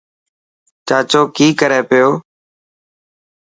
چاچو ڪي ڪري پيو.